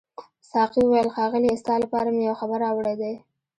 ساقي وویل ښاغلیه ستا لپاره مې یو خبر راوړی دی.